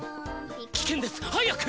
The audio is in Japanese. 危険です早く！